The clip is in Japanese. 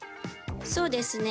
そうですね。